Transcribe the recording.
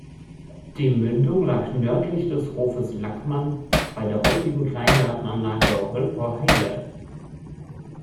Die Mündung lag nördlich des Hofes Lackmann, bei der heutigen Kleingartenanlage Holper Heide.